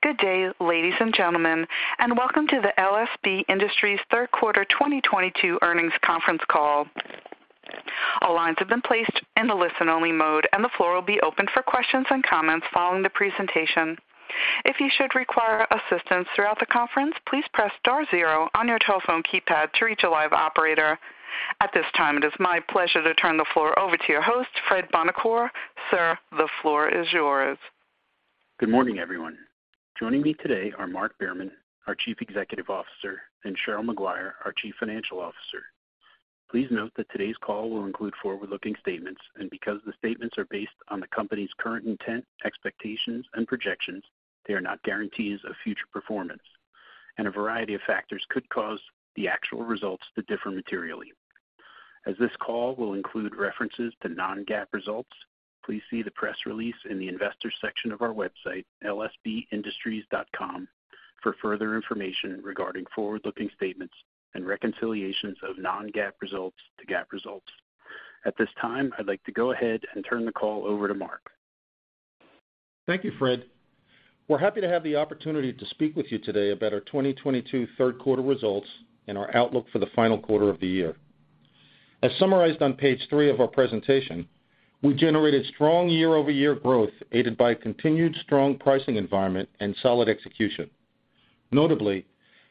Good day, ladies and gentlemen, and welcome to the LSB Industries third quarter 2022 earnings conference call. All lines have been placed into listen-only mode, and the floor will be open for questions and comments following the presentation. If you should require assistance throughout the conference, please press star zero on your telephone keypad to reach a live operator. At this time, it is my pleasure to turn the floor over to your host, Fred Buonocore. Sir, the floor is yours. Good morning, everyone. Joining me today are Mark Behrman, our Chief Executive Officer, and Cheryl Maguire, our Chief Financial Officer. Please note that today's call will include forward-looking statements, and because the statements are based on the company's current intent, expectations, and projections, they are not guarantees of future performance. A variety of factors could cause the actual results to differ materially. As this call will include references to non-GAAP results, please see the press release in the Investors section of our website, lsbindustries.com, for further information regarding forward-looking statements and reconciliations of non-GAAP results to GAAP results. At this time, I'd like to go ahead and turn the call over to Mark. Thank you, Fred. We're happy to have the opportunity to speak with you today about our 2022 third quarter results and our outlook for the final quarter of the year. As summarized on page three of our presentation, we generated strong year-over-year growth aided by continued strong pricing environment and solid execution. Notably,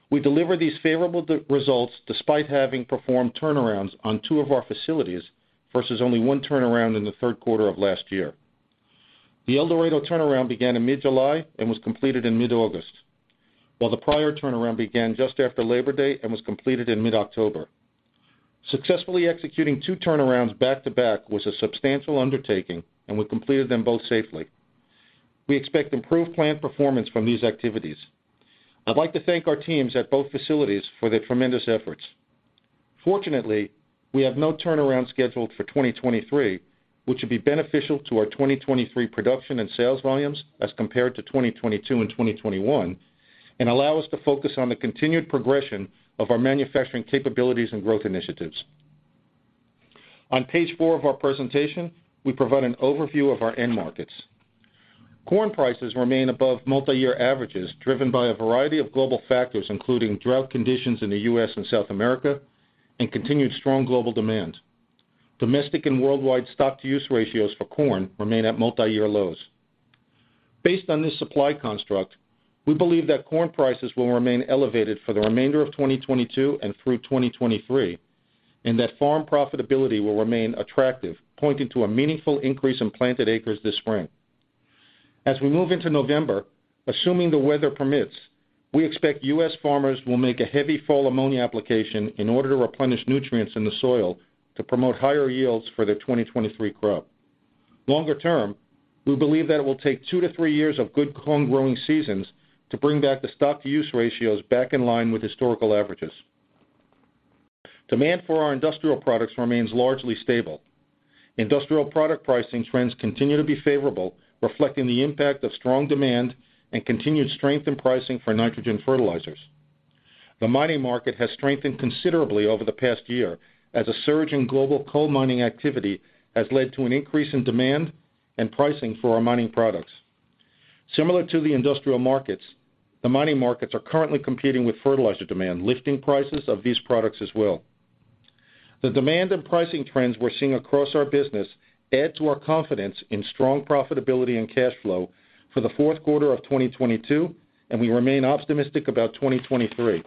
we delivered these favorable results despite having performed turnarounds on two of our facilities versus only one turnaround in the third quarter of last year. The El Dorado turnaround began in mid-July and was completed in mid-August, while the Pryor turnaround began just after Labor Day and was completed in mid-October. Successfully executing two turnarounds back-to-back was a substantial undertaking, and we completed them both safely. We expect improved plant performance from these activities. I'd like to thank our teams at both facilities for their tremendous efforts. Fortunately, we have no turnarounds scheduled for 2023, which will be beneficial to our 2023 production and sales volumes as compared to 2022 and 2021 and allow us to focus on the continued progression of our manufacturing capabilities and growth initiatives. On page four of our presentation, we provide an overview of our end markets. Corn prices remain above multiyear averages, driven by a variety of global factors, including drought conditions in the U.S. and South America and continued strong global demand. Domestic and worldwide stock-to-use ratios for corn remain at multiyear lows. Based on this supply construct, we believe that corn prices will remain elevated for the remainder of 2022 and through 2023, and that farm profitability will remain attractive, pointing to a meaningful increase in planted acres this spring. As we move into November, assuming the weather permits, we expect U.S. farmers will make a heavy fall ammonia application in order to replenish nutrients in the soil to promote higher yields for their 2023 crop. Longer term, we believe that it will take 2-3 years of good corn growing seasons to bring back the stock-to-use ratios back in line with historical averages. Demand for our industrial products remains largely stable. Industrial product pricing trends continue to be favorable, reflecting the impact of strong demand and continued strength in pricing for nitrogen fertilizers. The mining market has strengthened considerably over the past year as a surge in global coal mining activity has led to an increase in demand and pricing for our mining products. Similar to the industrial markets, the mining markets are currently competing with fertilizer demand, lifting prices of these products as well. The demand and pricing trends we're seeing across our business add to our confidence in strong profitability and cash flow for the fourth quarter of 2022, and we remain optimistic about 2023.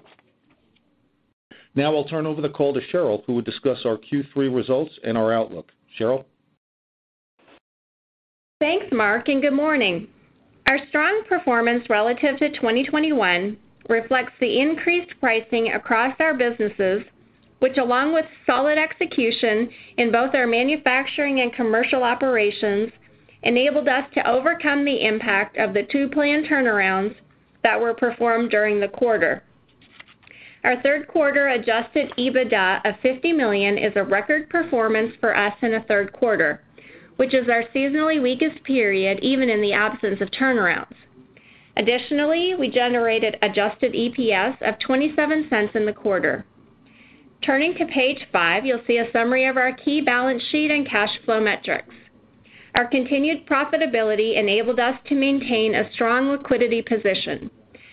Now I'll turn over the call to Cheryl, who will discuss our Q3 results and our outlook. Cheryl? Thanks, Mark, and good morning. Our strong performance relative to 2021 reflects the increased pricing across our businesses, which, along with solid execution in both our manufacturing and commercial operations, enabled us to overcome the impact of the two planned turnarounds that were performed during the quarter. Our third quarter adjusted EBITDA of $50 million is a record performance for us in a third quarter, which is our seasonally weakest period, even in the absence of turnarounds. Additionally, we generated adjusted EPS of $0.27 in the quarter. Turning to page five, you'll see a summary of our key balance sheet and cash flow metrics. Our continued profitability enabled us to maintain a strong liquidity position.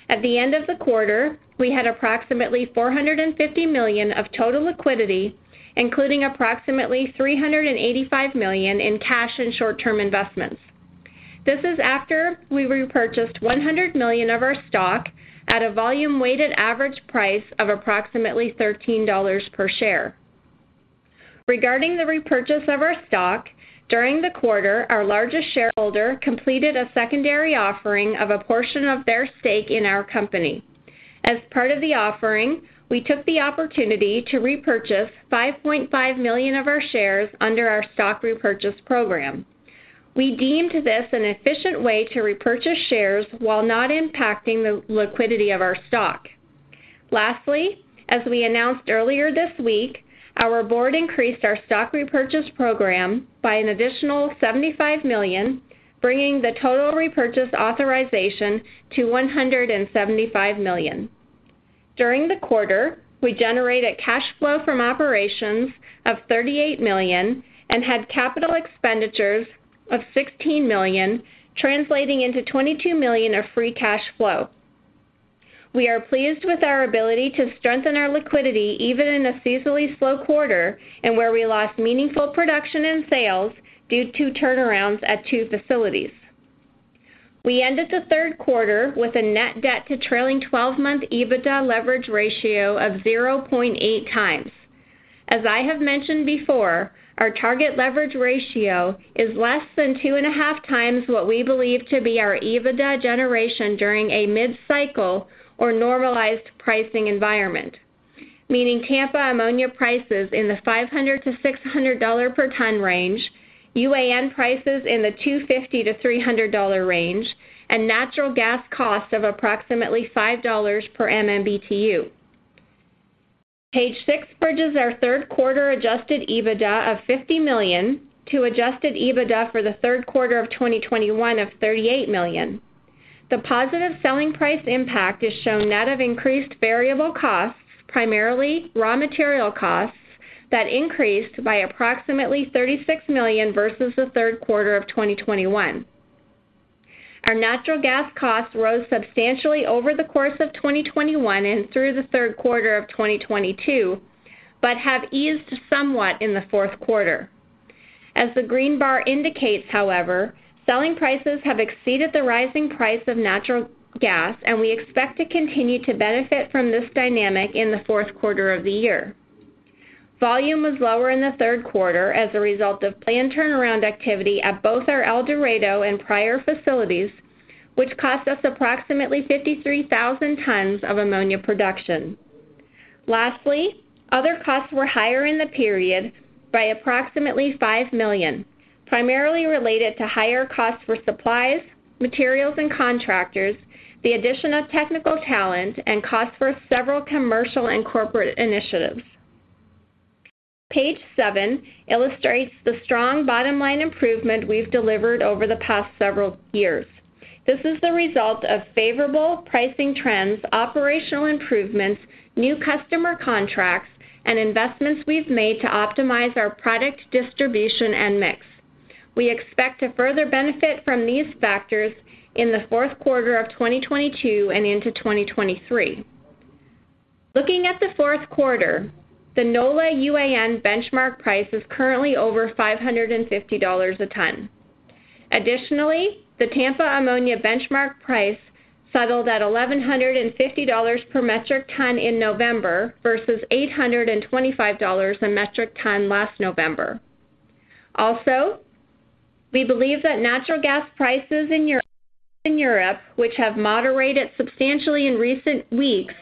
At the end of the quarter, we had approximately $450 million of total liquidity, including approximately $385 million in cash and short-term investments. This is after we repurchased 100 million of our stock at a volume-weighted average price of approximately $13 per share. Regarding the repurchase of our stock, during the quarter, our largest shareholder completed a secondary offering of a portion of their stake in our company. As part of the offering, we took the opportunity to repurchase 5.5 million of our shares under our stock repurchase program. We deemed this an efficient way to repurchase shares while not impacting the liquidity of our stock. Lastly, as we announced earlier this week, our board increased our stock repurchase program by an additional $75 million, bringing the total repurchase authorization to $175 million. During the quarter, we generated cash flow from operations of $38 million and had capital expenditures of $16 million, translating into $22 million of free cash flow. We are pleased with our ability to strengthen our liquidity even in a seasonally slow quarter and where we lost meaningful production and sales due to turnarounds at two facilities. We ended the third quarter with a net debt to trailing twelve-month EBITDA leverage ratio of 0.8 times. As I have mentioned before, our target leverage ratio is less than 2.5 times what we believe to be our EBITDA generation during a mid-cycle or normalized pricing environment, meaning Tampa ammonia prices in the $500-$600 per ton range, UAN prices in the $250-$300 range, and natural gas costs of approximately $5 per MMBtu. Page six bridges our third quarter adjusted EBITDA of $50 million to adjusted EBITDA for the third quarter of 2021 of $38 million. The positive selling price impact is shown net of increased variable costs, primarily raw material costs that increased by approximately $36 million versus the third quarter of 2021. Our natural gas costs rose substantially over the course of 2021 and through the third quarter of 2022, but have eased somewhat in the fourth quarter. As the green bar indicates, however, selling prices have exceeded the rising price of natural gas, and we expect to continue to benefit from this dynamic in the fourth quarter of the year. Volume was lower in the third quarter as a result of planned turnaround activity at both our El Dorado and Pryor facilities, which cost us approximately 53,000 tons of ammonia production. Lastly, other costs were higher in the period by approximately $5 million, primarily related to higher costs for supplies, materials, and contractors, the addition of technical talent, and cost for several commercial and corporate initiatives. Page seven illustrates the strong bottom line improvement we've delivered over the past several years. This is the result of favorable pricing trends, operational improvements, new customer contracts, and investments we've made to optimize our product distribution and mix. We expect to further benefit from these factors in the fourth quarter of 2022 and into 2023. Looking at the fourth quarter, the NOLA UAN benchmark price is currently over $550 a ton. Additionally, the Tampa ammonia benchmark price settled at $1,150 per metric ton in November versus $825 a metric ton last November. Also, we believe that natural gas prices in Europe, which have moderated substantially in recent weeks,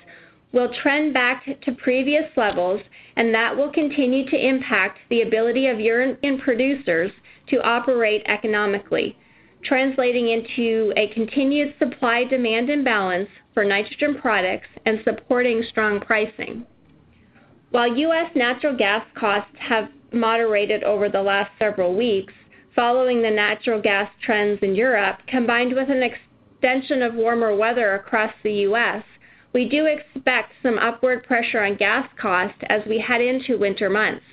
will trend back to previous levels, and that will continue to impact the ability of urea producers to operate economically, translating into a continued supply-demand imbalance for nitrogen products and supporting strong pricing. While U.S. natural gas costs have moderated over the last several weeks following the natural gas trends in Europe, combined with an extension of warmer weather across the U.S., we do expect some upward pressure on gas costs as we head into winter months.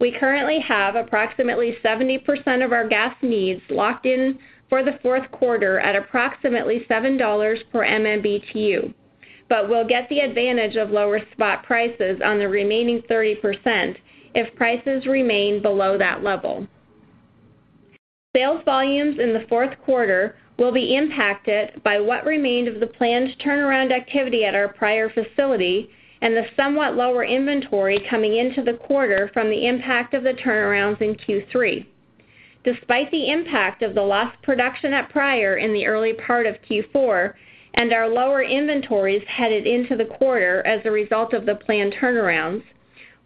We currently have approximately 70% of our gas needs locked in for the fourth quarter at approximately $7 per MMBtu, but we'll get the advantage of lower spot prices on the remaining 30% if prices remain below that level. Sales volumes in the fourth quarter will be impacted by what remained of the planned turnaround activity at our Pryor facility and the somewhat lower inventory coming into the quarter from the impact of the turnarounds in Q3. Despite the impact of the lost production at Pryor in the early part of Q4 and our lower inventories headed into the quarter as a result of the planned turnarounds,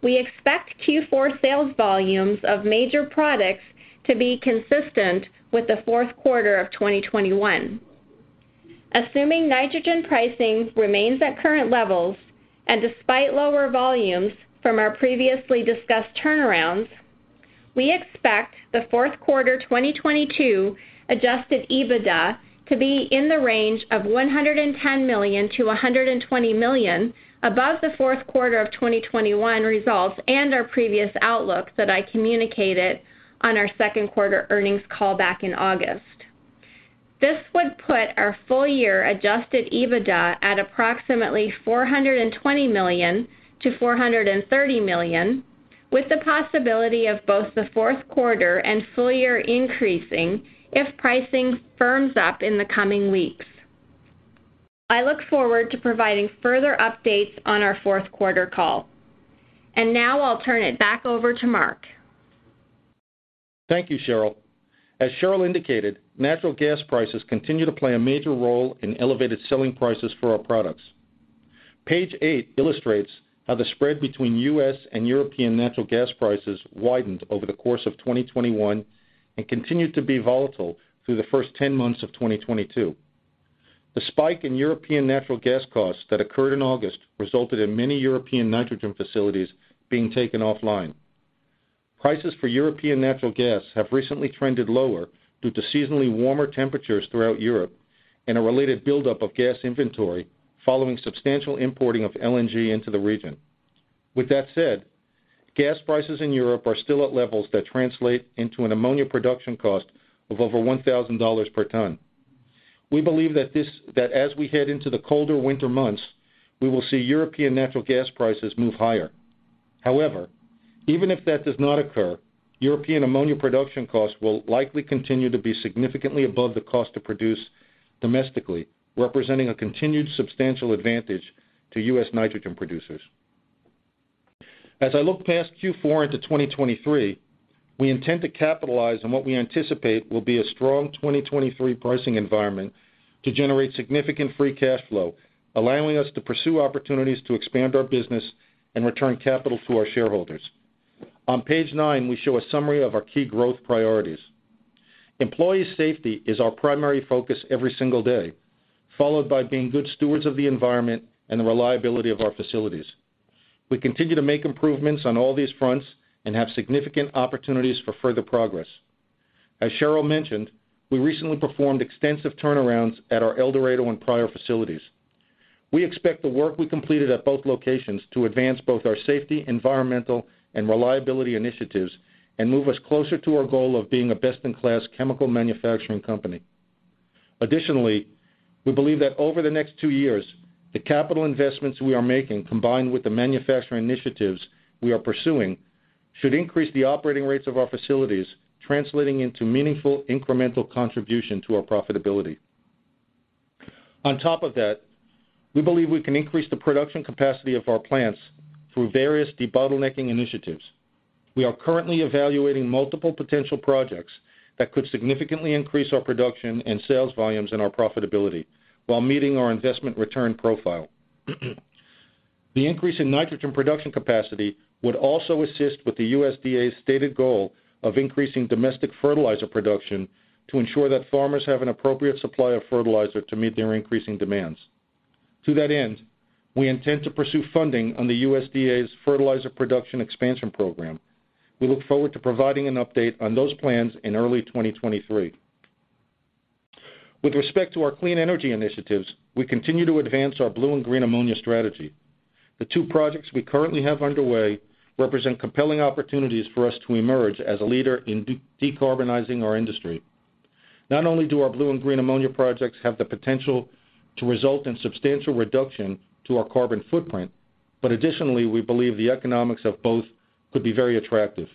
we expect Q4 sales volumes of major products to be consistent with the fourth quarter of 2021. Assuming nitrogen pricing remains at current levels and despite lower volumes from our previously discussed turnarounds, we expect the fourth quarter 2022 adjusted EBITDA to be in the range of $110 million-$120 million above the fourth quarter of 2021 results and our previous outlook that I communicated on our second quarter earnings call back in August. This would put our full year adjusted EBITDA at approximately $420 million-$430 million, with the possibility of both the fourth quarter and full year increasing if pricing firms up in the coming weeks. I look forward to providing further updates on our fourth quarter call. Now I'll turn it back over to Mark. Thank you, Cheryl. As Cheryl indicated, natural gas prices continue to play a major role in elevated selling prices for our products. Page eight illustrates how the spread between U.S. and European natural gas prices widened over the course of 2021 and continued to be volatile through the first 10 months of 2022. The spike in European natural gas costs that occurred in August resulted in many European nitrogen facilities being taken offline. Prices for European natural gas have recently trended lower due to seasonally warmer temperatures throughout Europe and a related buildup of gas inventory following substantial importing of LNG into the region. With that said, gas prices in Europe are still at levels that translate into an ammonia production cost of over $1,000 per ton. We believe that as we head into the colder winter months, we will see European natural gas prices move higher. However, even if that does not occur, European ammonia production costs will likely continue to be significantly above the cost to produce domestically, representing a continued substantial advantage to U.S. nitrogen producers. As I look past Q4 into 2023, we intend to capitalize on what we anticipate will be a strong 2023 pricing environment to generate significant free cash flow, allowing us to pursue opportunities to expand our business and return capital to our shareholders. On page nine, we show a summary of our key growth priorities. Employee safety is our primary focus every single day, followed by being good stewards of the environment and the reliability of our facilities. We continue to make improvements on all these fronts and have significant opportunities for further progress. As Cheryl mentioned, we recently performed extensive turnarounds at our El Dorado and Pryor facilities. We expect the work we completed at both locations to advance both our safety, environmental, and reliability initiatives and move us closer to our goal of being a best-in-class chemical manufacturing company. Additionally, we believe that over the next two years, the capital investments we are making, combined with the manufacturing initiatives we are pursuing, should increase the operating rates of our facilities, translating into meaningful incremental contribution to our profitability. On top of that, we believe we can increase the production capacity of our plants through various debottlenecking initiatives. We are currently evaluating multiple potential projects that could significantly increase our production and sales volumes and our profitability while meeting our investment return profile. The increase in nitrogen production capacity would also assist with the USDA's stated goal of increasing domestic fertilizer production to ensure that farmers have an appropriate supply of fertilizer to meet their increasing demands. To that end, we intend to pursue funding on the USDA's Fertilizer Production Expansion Program. We look forward to providing an update on those plans in early 2023. With respect to our clean energy initiatives, we continue to advance our blue and green ammonia strategy. The two projects we currently have underway represent compelling opportunities for us to emerge as a leader in decarbonizing our industry. Not only do our blue and green ammonia projects have the potential to result in substantial reduction to our carbon footprint, but additionally, we believe the economics of both could be very attractive.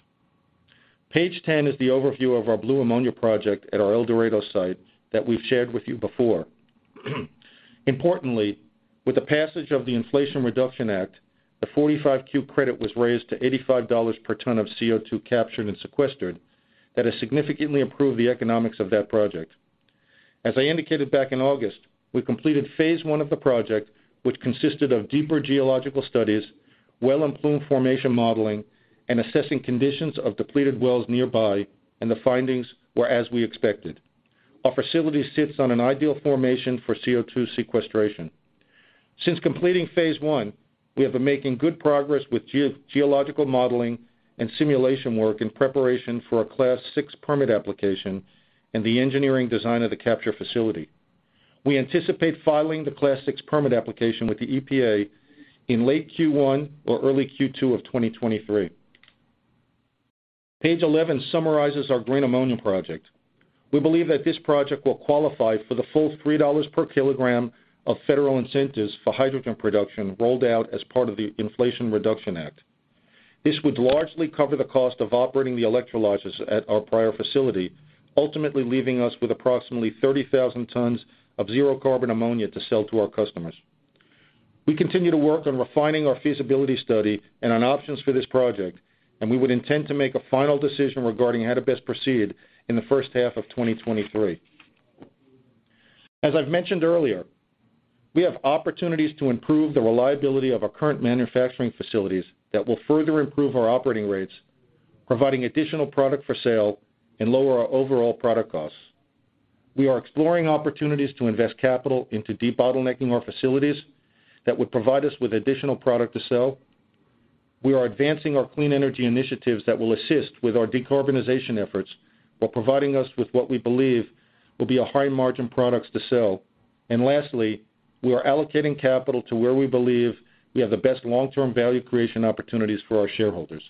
Page 10 is the overview of our blue ammonia project at our El Dorado site that we've shared with you before. Importantly, with the passage of the Inflation Reduction Act, the 45Q credit was raised to $85 per ton of CO2 captured and sequestered, that has significantly improved the economics of that project. As I indicated back in August, we completed phase one of the project, which consisted of deeper geological studies, well and plume formation modeling, and assessing conditions of depleted wells nearby, and the findings were as we expected. Our facility sits on an ideal formation for CO2 sequestration. Since completing phase one, we have been making good progress with geological modeling and simulation work in preparation for a Class VI permit application and the engineering design of the capture facility. We anticipate filing the Class VI permit application with the EPA in late Q1 or early Q2 of 2023. Page 11 summarizes our green ammonia project. We believe that this project will qualify for the full $3 per kg of federal incentives for hydrogen production rolled out as part of the Inflation Reduction Act. This would largely cover the cost of operating the electrolyzers at our Pryor facility, ultimately leaving us with approximately 30,000 tons of zero carbon ammonia to sell to our customers. We continue to work on refining our feasibility study and on options for this project, and we would intend to make a final decision regarding how to best proceed in the first half of 2023. As I've mentioned earlier, we have opportunities to improve the reliability of our current manufacturing facilities that will further improve our operating rates, providing additional product for sale and lower our overall product costs. We are exploring opportunities to invest capital into debottlenecking our facilities that would provide us with additional product to sell. We are advancing our clean energy initiatives that will assist with our decarbonization efforts while providing us with what we believe will be a high-margin products to sell. Lastly, we are allocating capital to where we believe we have the best long-term value creation opportunities for our shareholders.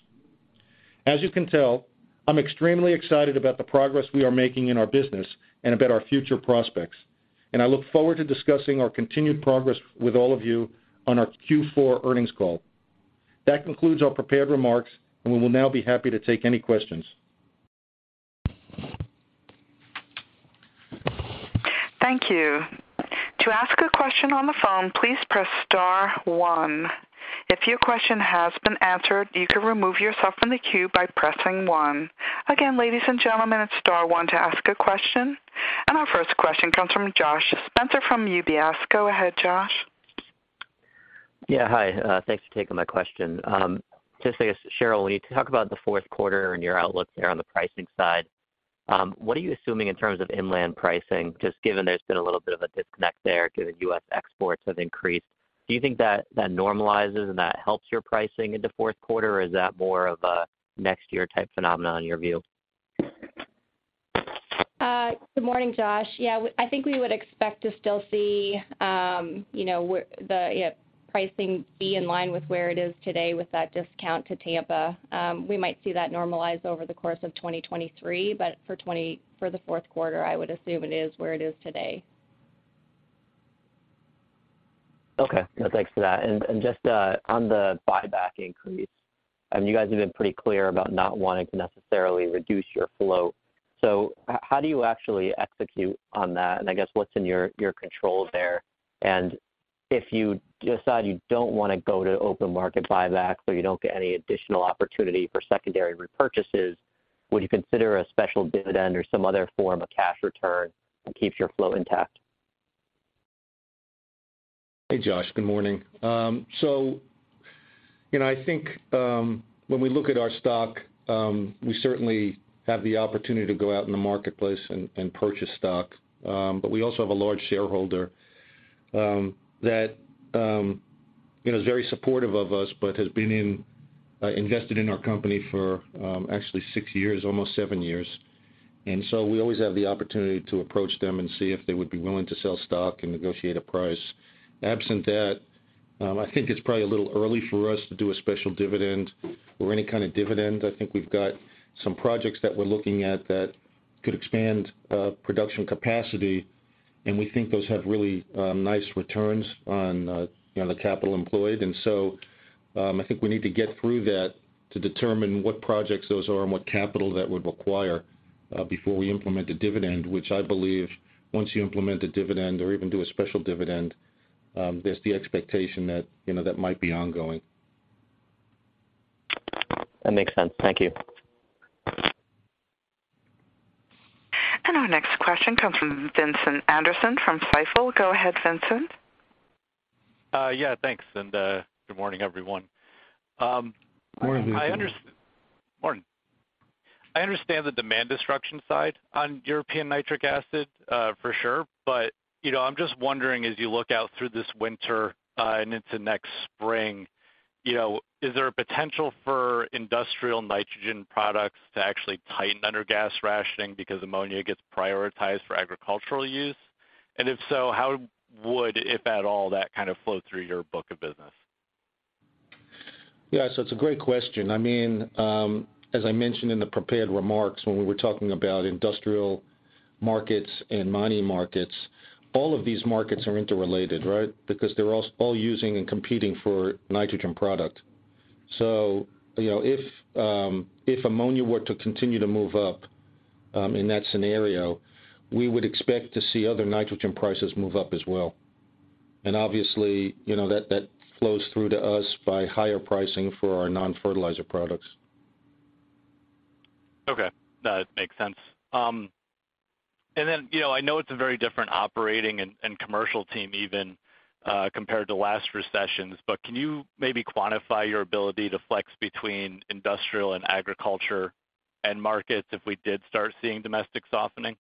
As you can tell, I'm extremely excited about the progress we are making in our business and about our future prospects, and I look forward to discussing our continued progress with all of you on our Q4 earnings call. That concludes our prepared remarks, and we will now be happy to take any questions. Thank you. To ask a question on the phone, please press star one. If your question has been answered, you can remove yourself from the queue by pressing one. Again, ladies and gentlemen, it's star one to ask a question. Our first question comes from Josh Spector from UBS. Go ahead, Josh. Yeah. Hi. Thanks for taking my question. Just, I guess, Cheryl, when you talk about the fourth quarter and your outlook there on the pricing side What are you assuming in terms of inland pricing, just given there's been a little bit of a disconnect there given U.S. exports have increased? Do you think that normalizes and that helps your pricing into fourth quarter? Or is that more of a next year type phenomenon in your view? Good morning, Josh. I think we would expect to still see, you know, pricing be in line with where it is today with that discount to Tampa. We might see that normalize over the course of 2023, but for the fourth quarter, I would assume it is where it is today. Okay. No, thanks for that. Just on the buyback increase, you guys have been pretty clear about not wanting to necessarily reduce your flow. How do you actually execute on that? I guess what's in your control there? If you decide you don't wanna go to open market buyback, so you don't get any additional opportunity for secondary repurchases, would you consider a special dividend or some other form of cash return that keeps your flow intact? Hey, Josh. Good morning. You know, I think when we look at our stock, we certainly have the opportunity to go out in the marketplace and purchase stock. But we also have a large shareholder that you know is very supportive of us, but has been invested in our company for actually six years, almost seven years. We always have the opportunity to approach them and see if they would be willing to sell stock and negotiate a price. Absent that, I think it's probably a little early for us to do a special dividend or any kind of dividend. I think we've got some projects that we're looking at that could expand production capacity, and we think those have really nice returns on you know the capital employed. I think we need to get through that to determine what projects those are and what capital that would require, before we implement a dividend, which I believe once you implement a dividend or even do a special dividend, there's the expectation that, you know, that might be ongoing. That makes sense. Thank you. Our next question comes from Vincent Anderson from Stifel. Go ahead, Vincent. Yeah, thanks and good morning, everyone. I under- Morning. Morning. I understand the demand disruption side on European nitric acid, for sure. You know, I'm just wondering, as you look out through this winter, and into next spring, you know, is there a potential for industrial nitrogen products to actually tighten under gas rationing because ammonia gets prioritized for agricultural use? And if so, how would, if at all, that kind of flow through your book of business? It's a great question. I mean, as I mentioned in the prepared remarks when we were talking about industrial markets and mining markets, all of these markets are interrelated, right? Because they're all using and competing for nitrogen product. You know, if ammonia were to continue to move up, in that scenario, we would expect to see other nitrogen prices move up as well. Obviously, you know, that flows through to us by higher pricing for our non-fertilizer products. Okay. No, it makes sense. And then, you know, I know it's a very different operating and commercial team even compared to last recessions, but can you maybe quantify your ability to flex between industrial and agriculture end markets if we did start seeing domestic softening?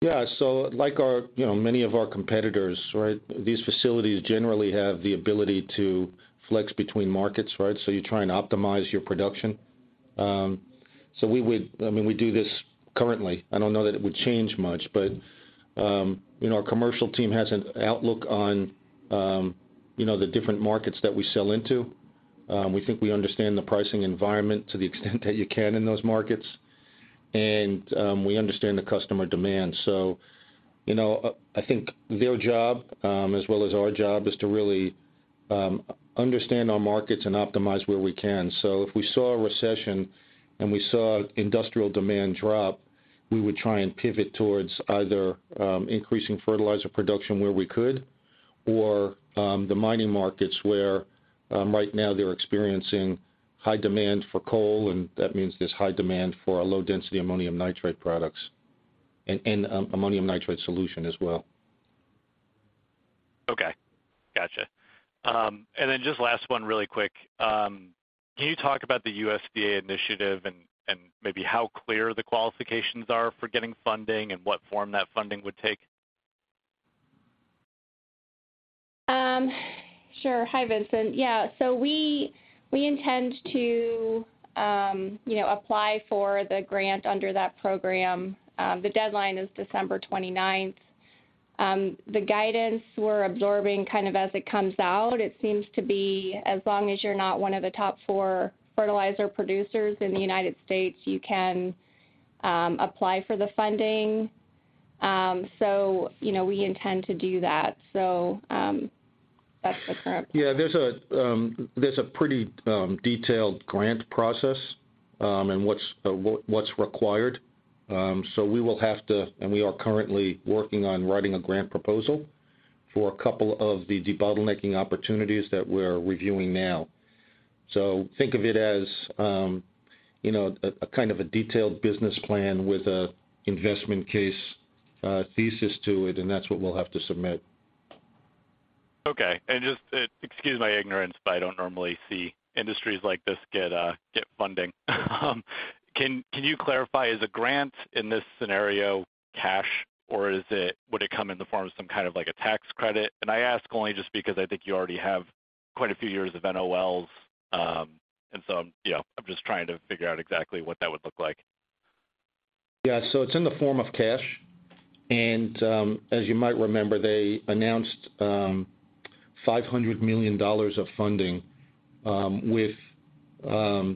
Yeah. Like our, you know, many of our competitors, right, these facilities generally have the ability to flex between markets, right? You try and optimize your production. I mean, we do this currently. I don't know that it would change much, but, you know, our commercial team has an outlook on, you know, the different markets that we sell into. We think we understand the pricing environment to the extent that you can in those markets, and, we understand the customer demand. You know, I think their job, as well as our job, is to really understand our markets and optimize where we can. If we saw a recession and we saw industrial demand drop, we would try and pivot towards either increasing fertilizer production where we could or the mining markets where right now they're experiencing high demand for coal, and that means there's high demand for our low-density ammonium nitrate products and ammonium nitrate solution as well. Okay. Gotcha. Just last one really quick. Can you talk about the USDA initiative and maybe how clear the qualifications are for getting funding and what form that funding would take? Sure. Hi, Vincent. Yeah, we intend to, you know, apply for the grant under that program. The deadline is December 29th. The guidance we're absorbing kind of as it comes out, it seems to be as long as you're not one of the top four fertilizer producers in the United States, you can apply for the funding. You know, we intend to do that. That's the current plan. Yeah. There's a pretty detailed grant process, and what's required. We will have to, and we are currently working on writing a grant proposal for a couple of the debottlenecking opportunities that we're reviewing now. Think of it as, you know, a kind of a detailed business plan with an investment case thesis to it, and that's what we'll have to submit. Okay. Just excuse my ignorance, but I don't normally see industries like this get funding. Can you clarify, is a grant in this scenario cash, or is it, would it come in the form of some kind of like a tax credit? I ask only just because I think you already have quite a few years of NOLs. You know, I'm just trying to figure out exactly what that would look like. Yeah. It's in the form of cash. As you might remember, they announced $500 million of funding, with the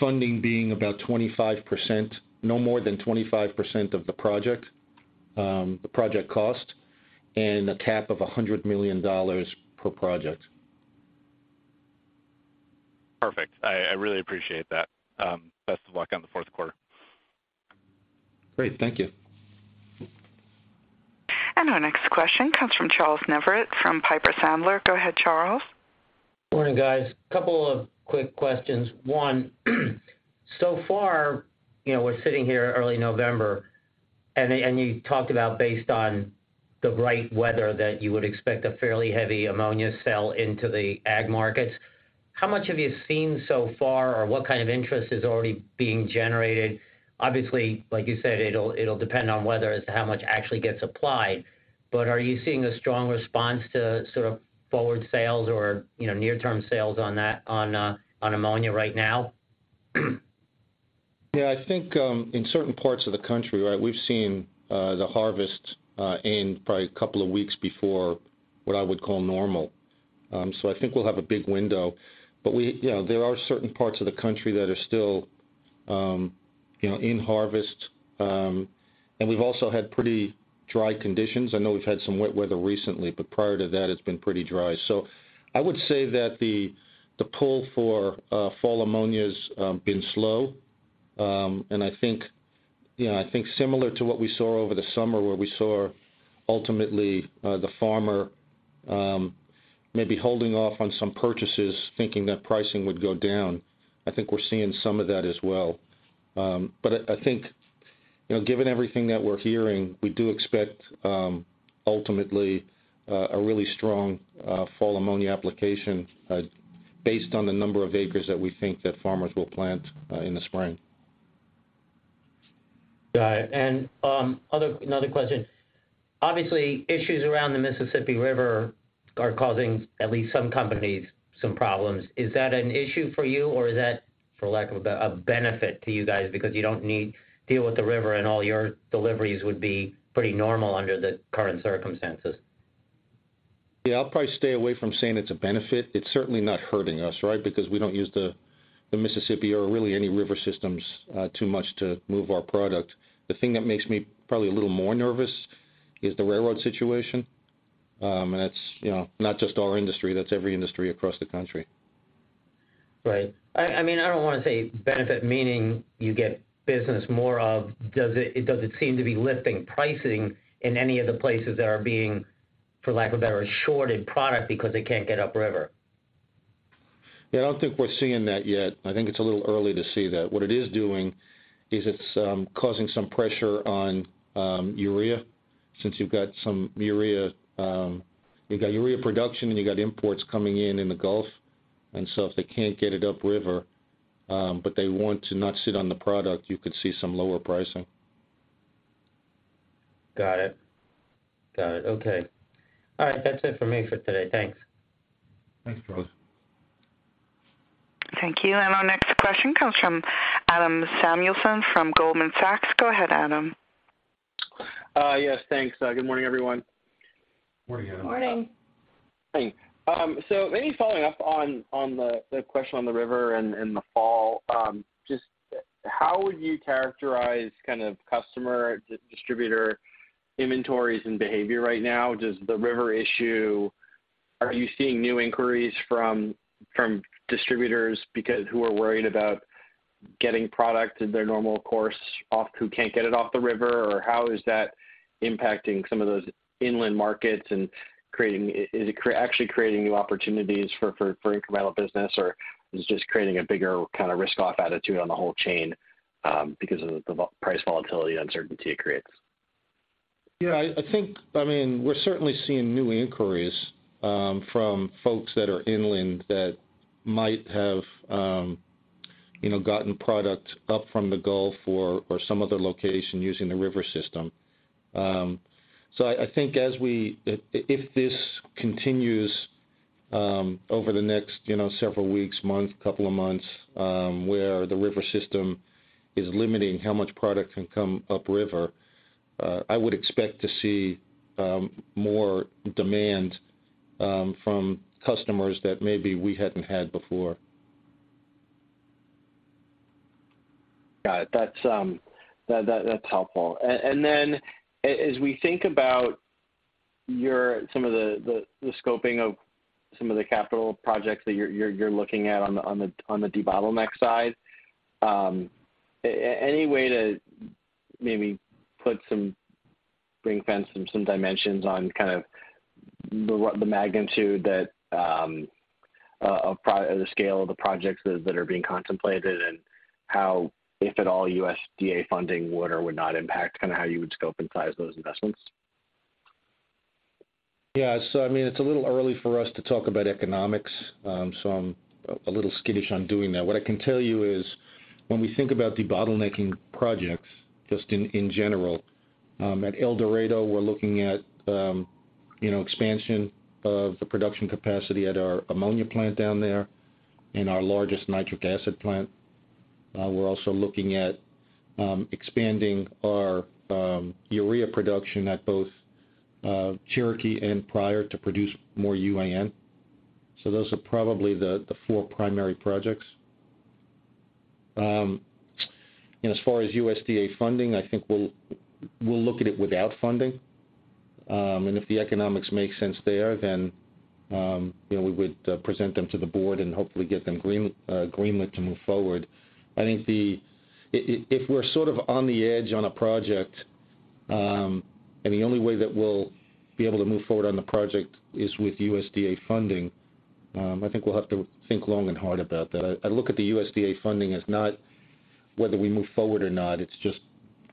funding being about 25%, no more than 25% of the project cost and a cap of $100 million per project. Perfect. I really appreciate that. Best of luck on the fourth quarter. Great. Thank you. Our next question comes from Charles Neivert from Piper Sandler. Go ahead, Charles. Morning, guys. Couple of quick questions. One, so far, you know, we're sitting here early November, and you talked about based on the right weather that you would expect a fairly heavy ammonia sell into the ag markets. How much have you seen so far, or what kind of interest is already being generated? Obviously, like you said, it'll depend on weather as to how much actually gets applied. Are you seeing a strong response to sort of forward sales or, you know, near-term sales on that, on ammonia right now? Yeah. I think in certain parts of the country, right, we've seen the harvest end probably a couple of weeks before what I would call normal. I think we'll have a big window. You know, there are certain parts of the country that are still you know in harvest. We've also had pretty dry conditions. I know we've had some wet weather recently, but prior to that, it's been pretty dry. I would say that the pull for fall Ammonia's been slow. I think you know I think similar to what we saw over the summer, where we saw ultimately the farmer maybe holding off on some purchases thinking that pricing would go down, I think we're seeing some of that as well. I think, you know, given everything that we're hearing, we do expect ultimately a really strong fall ammonia application based on the number of acres that we think that farmers will plant in the spring. Got it. Another question. Obviously, issues around the Mississippi River are causing at least some companies some problems. Is that an issue for you, or is that, for lack of a better, a benefit to you guys because you don't need to deal with the river and all your deliveries would be pretty normal under the current circumstances? Yeah. I'll probably stay away from saying it's a benefit. It's certainly not hurting us, right? Because we don't use the Mississippi or really any river systems too much to move our product. The thing that makes me probably a little more nervous is the railroad situation. That's, you know, not just our industry, that's every industry across the country. Right. Does it seem to be lifting pricing in any of the places that are being, for lack of a better, short of product because they can't get upriver? Yeah. I don't think we're seeing that yet. I think it's a little early to see that. What it is doing is it's causing some pressure on urea since you've got some urea. You've got urea production, and you've got imports coming in in the Gulf. If they can't get it upriver, but they want to not sit on the product, you could see some lower pricing. Got it. Okay. All right. That's it for me for today. Thanks. Thanks, Charles. Thank you. Our next question comes from Adam Samuelson from Goldman Sachs. Go ahead, Adam. Yes, thanks. Good morning, everyone. Morning, Adam. Morning. Thanks. Maybe following up on the question on the river and the fall. Just how would you characterize kind of customer distributor inventories and behavior right now? Does the river issue? Are you seeing new inquiries from distributors because who are worried about getting product in their normal course off the river? Or how is that impacting some of those inland markets and creating? Is it actually creating new opportunities for incremental business, or is this just creating a bigger kind of risk off attitude on the whole chain, because of the price volatility and uncertainty it creates? Yeah. I think, I mean, we're certainly seeing new inquiries from folks that are inland that might have, you know, gotten product up from the Gulf or some other location using the river system. I think if this continues over the next, you know, several weeks, month, couple of months, where the river system is limiting how much product can come upriver, I would expect to see more demand from customers that maybe we hadn't had before. Got it. That's helpful. As we think about some of the scoping of some of the capital projects that you're looking at on the debottlenecking side, any way to maybe put some ring-fence some dimensions on kind of the magnitude of the scale of the projects that are being contemplated and how, if at all, USDA funding would or would not impact kind of how you would scope and size those investments. Yeah. I mean, it's a little early for us to talk about economics, so I'm a little skittish on doing that. What I can tell you is when we think about the debottlenecking projects just in general at El Dorado, we're looking at you know, expansion of the production capacity at our ammonia plant down there and our largest nitric acid plant. We're also looking at expanding our urea production at both Cherokee and Pryor to produce more UAN. Those are probably the four primary projects. As far as USDA funding, I think we'll look at it without funding. If the economics make sense there, then you know, we would present them to the board and hopefully get them green-lit to move forward. I think the. If we're sort of on the edge on a project, and the only way that we'll be able to move forward on the project is with USDA funding, I think we'll have to think long and hard about that. I look at the USDA funding as not whether we move forward or not. It's just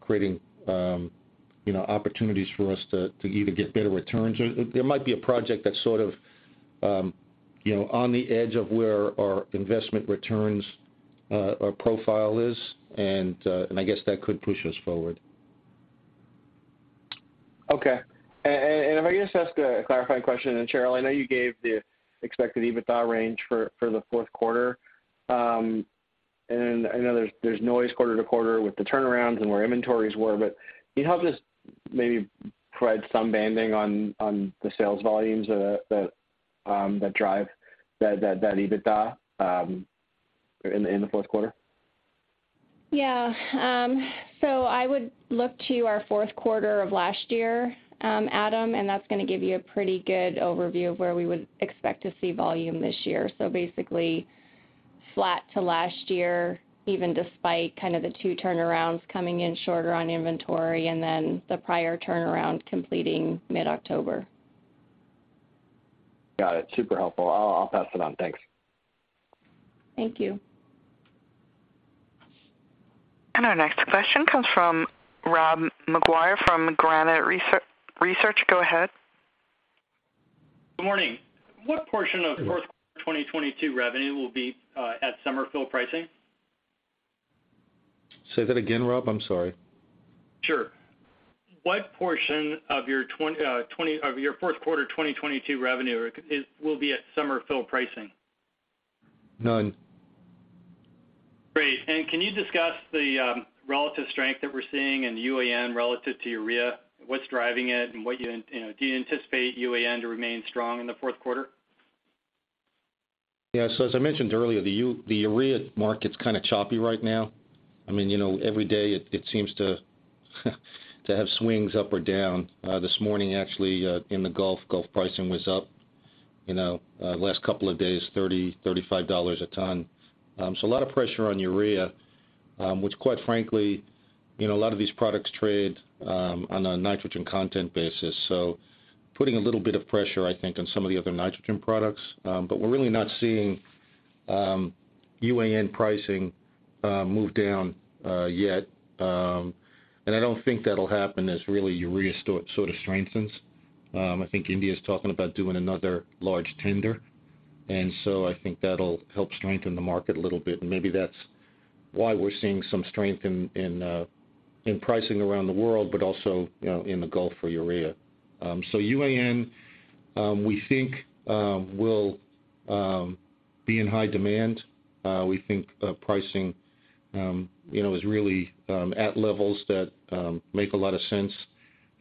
creating, you know, opportunities for us to either get better returns or there might be a project that sort of, you know, on the edge of where our investment returns or profile is. I guess that could push us forward. Okay. If I could just ask a clarifying question. Cheryl, I know you gave the expected EBITDA range for the fourth quarter. I know there's noise quarter to quarter with the turnarounds and where inventories were, but can you help just maybe provide some banding on the sales volumes that drive that EBITDA in the fourth quarter? Yeah. I would look to our fourth quarter of last year, Adam, and that's gonna give you a pretty good overview of where we would expect to see volume this year. Basically flat to last year, even despite kind of the two turnarounds coming in shorter on inventory and then the Pryor turnaround completing mid-October. Got it. Super helpful. I'll pass it on. Thanks. Thank you. Our next question comes from Rob McGuire from Granite Research. Go ahead. Good morning. What portion of fourth quarter 2022 revenue will be at summer fill pricing? Say that again, Rob. I'm sorry. Sure. What portion of your fourth quarter 2022 revenue will be at summer fill pricing? None. Great. Can you discuss the relative strength that we're seeing in UAN relative to urea? What's driving it and what you know do you anticipate UAN to remain strong in the fourth quarter? Yeah. As I mentioned earlier, the Urea market's kinda choppy right now. I mean, you know, every day it seems to have swings up or down. This morning actually, in the Gulf, pricing was up, you know, the last couple of days, $30-$35 a ton. A lot of pressure on Urea, which quite frankly, you know, a lot of these products trade on a nitrogen content basis. Putting a little bit of pressure, I think, on some of the other nitrogen products. We're really not seeing UAN pricing move down yet. I don't think that'll happen until Urea sort of strengthens. I think India's talking about doing another large tender, and so I think that'll help strengthen the market a little bit. Maybe that's why we're seeing some strength in pricing around the world, but also, you know, in the Gulf for urea. UAN, we think, will be in high demand. We think pricing, you know, is really at levels that make a lot of sense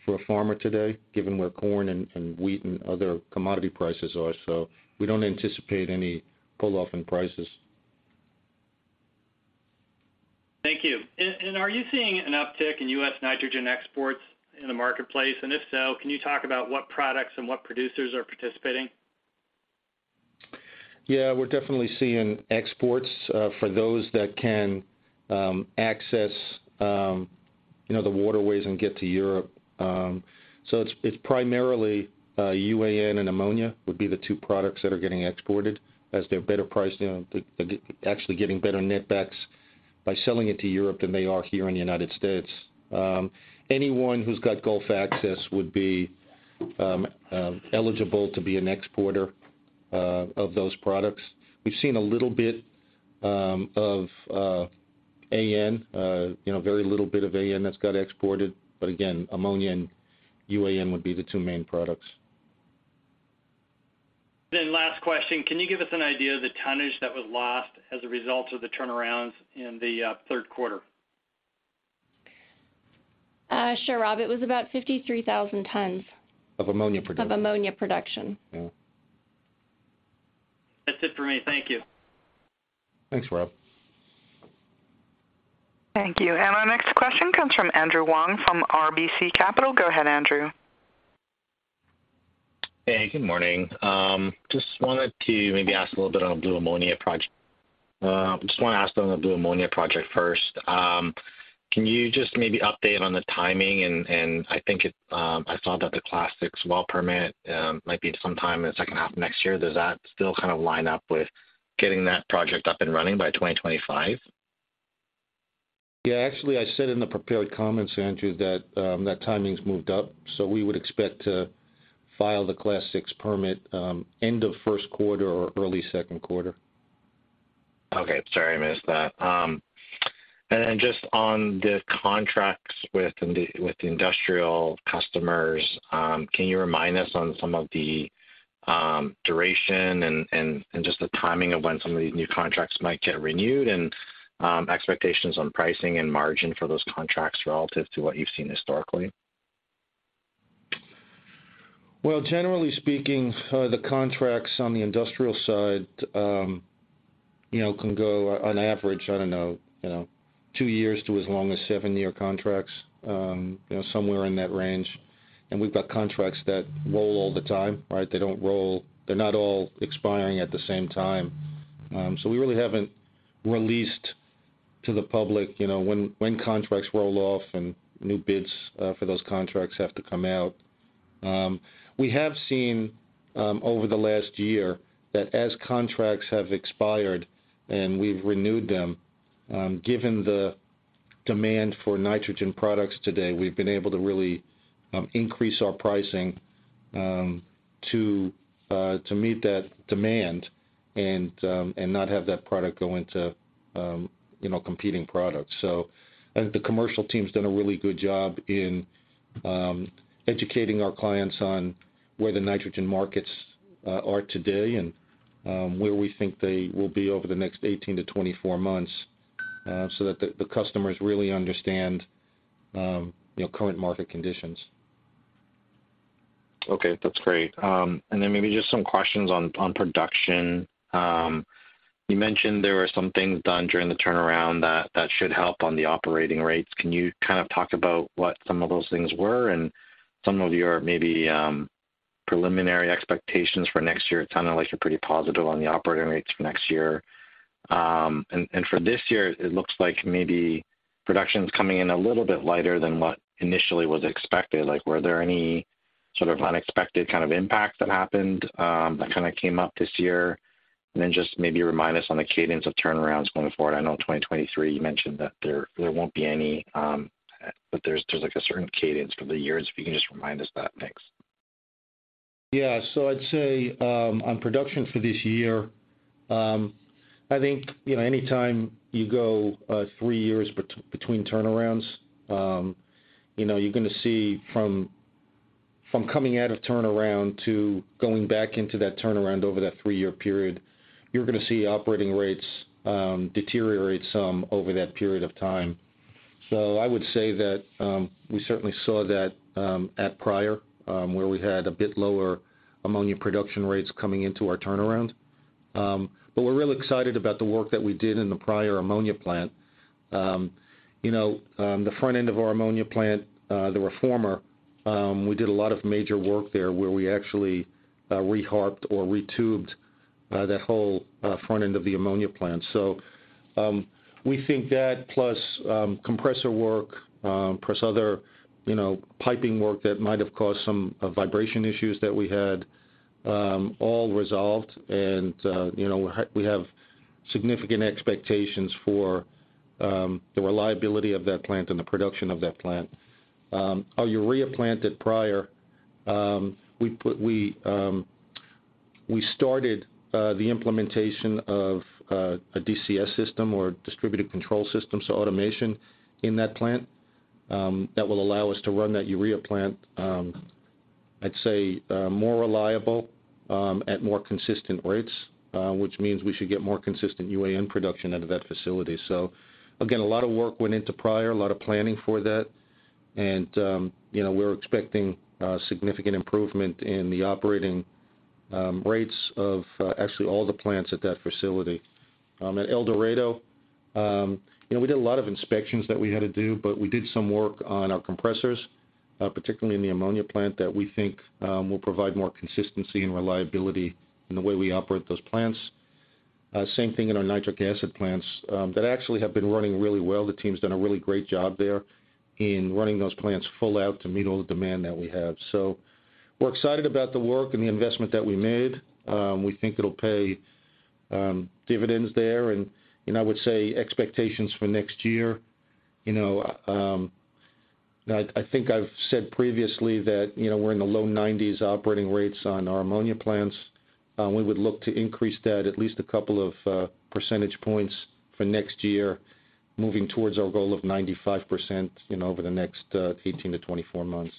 for a farmer today given where corn and wheat and other commodity prices are. We don't anticipate any pull-off in prices. Thank you. Are you seeing an uptick in U.S. nitrogen exports in the marketplace? If so, can you talk about what products and what producers are participating? Yeah. We're definitely seeing exports for those that can access, you know, the waterways and get to Europe. It's primarily UAN and ammonia would be the two products that are getting exported as they're better priced, you know, actually getting better net backs by selling it to Europe than they are here in the United States. Anyone who's got Gulf access would be eligible to be an exporter of those products. We've seen a little bit of AN, you know, very little bit of AN that's got exported. Again, ammonia and UAN would be the two main products. Last question. Can you give us an idea of the tonnage that was lost as a result of the turnarounds in the third quarter? Sure, Rob. It was about 53,000 tons. Of ammonia production. Of ammonia production. Yeah. That's it for me. Thank you. Thanks, Rob. Thank you. Our next question comes from Andrew Wong from RBC Capital Markets. Go ahead, Andrew. Hey, good morning. Just wanted to maybe ask a little bit on the ammonia project. Just wanna ask on the blue ammonia project first. Can you just maybe update on the timing and I think I saw that the Class VI well permit might be at some time in the second half of next year. Does that still kind of line up with getting that project up and running by 2025? Yeah. Actually, I said in the prepared comments, Andrew, that timing's moved up. We would expect to file the Class VI permit end of first quarter or early second quarter. Okay. Sorry, I missed that. Just on the contracts with the industrial customers, can you remind us on some of the duration and just the timing of when some of these new contracts might get renewed and expectations on pricing and margin for those contracts relative to what you've seen historically? Well, generally speaking, the contracts on the industrial side, you know, can go on average, I don't know, you know, two years to as long as seven-year contracts, you know, somewhere in that range. We've got contracts that roll all the time, right? They're not all expiring at the same time. So we really haven't released to the public, you know, when contracts roll off and new bids for those contracts have to come out. We have seen over the last year that as contracts have expired and we've renewed them, given the demand for nitrogen products today, we've been able to really increase our pricing to meet that demand and not have that product go into, you know, competing products. I think the commercial team's done a really good job in educating our clients on where the nitrogen markets are today and where we think they will be over the next 18-24 months so that the customers really understand you know current market conditions. Okay, that's great. Then maybe just some questions on production. You mentioned there were some things done during the turnaround that should help on the operating rates. Can you kind of talk about what some of those things were and some of your maybe preliminary expectations for next year? It sounded like you're pretty positive on the operating rates for next year. And for this year, it looks like maybe production's coming in a little bit lighter than what initially was expected. Like, were there any sort of unexpected kind of impacts that happened that kind of came up this year? Then just maybe remind us on the cadence of turnarounds going forward. I know 2023, you mentioned that there won't be any, but there's like a certain cadence for the years. If you can just remind us that. Thanks. Yeah. I'd say on production for this year, I think, you know, anytime you go three years between turnarounds, you know, you're gonna see from coming out of turnaround to going back into that turnaround over that three-year period, you're gonna see operating rates deteriorate some over that period of time. I would say that we certainly saw that at Pryor where we had a bit lower ammonia production rates coming into our turnaround. We're real excited about the work that we did in the Pryor ammonia plant. You know, the front end of our ammonia plant, the reformer, we did a lot of major work there where we actually reharped or retubed that whole front end of the ammonia plant. We think that, plus compressor work, plus other, you know, piping work that might have caused some vibration issues that we had, all resolved. You know, we have significant expectations for the reliability of that plant and the production of that plant. Our urea plant at Pryor, we started the implementation of a DCS system or distributed control system, so automation in that plant, that will allow us to run that urea plant, I'd say, more reliable at more consistent rates, which means we should get more consistent UAN production out of that facility. Again, a lot of work went into Pryor, a lot of planning for that. We're expecting a significant improvement in the operating rates of actually all the plants at that facility. At El Dorado, you know, we did a lot of inspections that we had to do, but we did some work on our compressors, particularly in the Ammonia plant, that we think will provide more consistency and reliability in the way we operate those plants. Same thing in our Nitric acid plants that actually have been running really well. The team's done a really great job there in running those plants full out to meet all the demand that we have. We're excited about the work and the investment that we made. We think it'll pay dividends there. You know, I would say expectations for next year, you know, I think I've said previously that, you know, we're in the low 90s operating rates on our ammonia plants. We would look to increase that at least a couple of percentage points for next year, moving towards our goal of 95%, you know, over the next 18-24 months.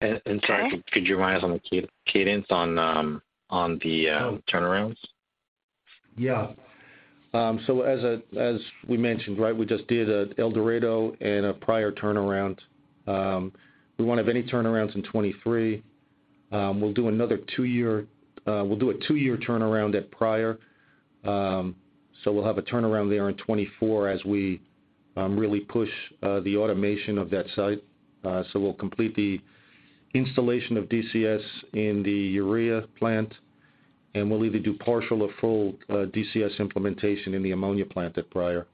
Sorry, could you remind us on the cadence on the turnarounds? Yeah. As we mentioned, right, we just did El Dorado and a Pryor turnaround. We won't have any turnarounds in 2023. We'll do a two-year turnaround at Pryor. We'll have a turnaround there in 2024 as we really push the automation of that site. We'll complete the installation of DCS in the urea plant, and we'll either do partial or full DCS implementation in the ammonia plant at Pryor.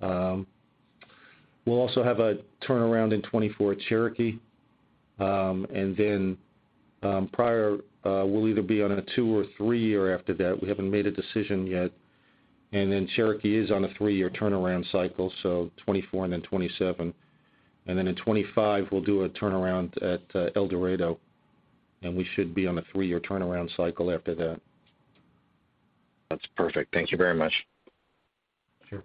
We'll also have a turnaround in 2024 at Cherokee. Pryor will either be on a two or three year after that. We haven't made a decision yet. Cherokee is on a three-year turnaround cycle, so 2024 and then 2027. In 2025 we'll do a turnaround at El Dorado, and we should be on a three-year turnaround cycle after that. That's perfect. Thank you very much. Sure.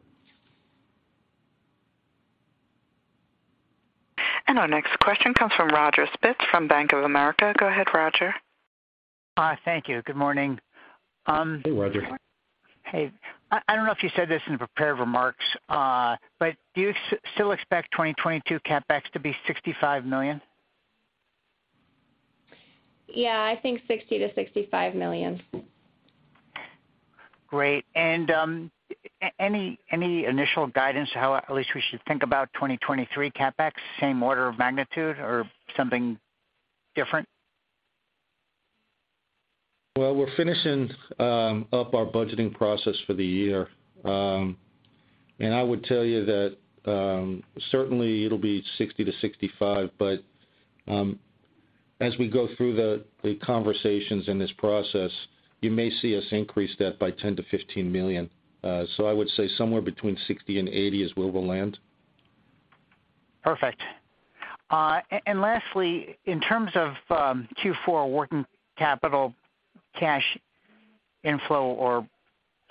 Our next question comes from Roger Spitz from Bank of America. Go ahead, Roger. Thank you. Good morning. Hey, Roger. Hey. I don't know if you said this in the prepared remarks, but do you still expect 2022 CapEx to be $65 million? Yeah, I think $60 million-$65 million. Great. Any initial guidance how at least we should think about 2023 CapEx? Same order of magnitude or something different? Well, we're finishing up our budgeting process for the year. I would tell you that, certainly it'll be $60 million-$65 million, but, as we go through the conversations in this process, you may see us increase that by $10 million-$15 million. I would say somewhere between $60 million and $80 million is where we'll land. Perfect. Lastly, in terms of Q4 working capital cash inflow or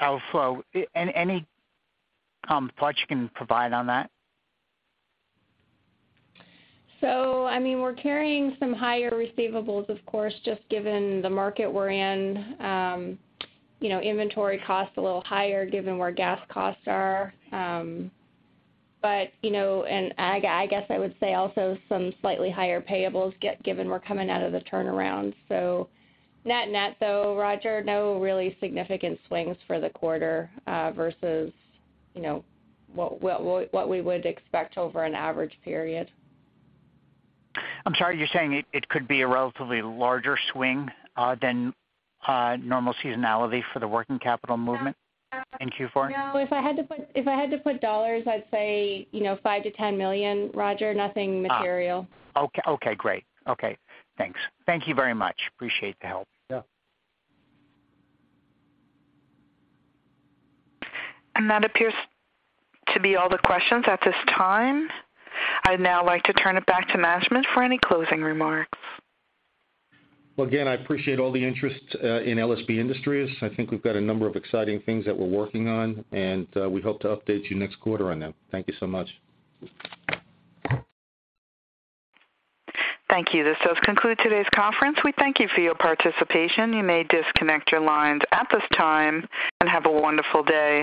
outflow, any thought you can provide on that? I mean, we're carrying some higher receivables, of course, just given the market we're in. You know, inventory costs a little higher given where gas costs are. You know, and I guess I would say also some slightly higher payables given we're coming out of the turnaround. Net-net though, Roger, no really significant swings for the quarter, versus, you know, what we would expect over an average period. I'm sorry. You're saying it could be a relatively larger swing than normal seasonality for the working capital movement- No. In Q4? No. If I had to put dollars, I'd say, you know, $5-$10 million, Roger. Nothing material. Okay. Okay, great. Okay, thanks. Thank you very much. Appreciate the help. Yeah. That appears to be all the questions at this time. I'd now like to turn it back to management for any closing remarks. Well, again, I appreciate all the interest in LSB Industries. I think we've got a number of exciting things that we're working on, and we hope to update you next quarter on them. Thank you so much. Thank you. This does conclude today's conference. We thank you for your participation. You may disconnect your lines at this time, and have a wonderful day.